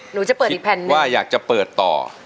หนูจะเปิดอีกแผ่นหนึ่งว่าอยากจะเปิดต่อ